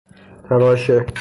تراشه